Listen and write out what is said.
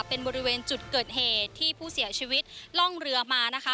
เป็นบริเวณจุดเกิดเหตุที่ผู้เสียชีวิตล่องเรือมานะคะ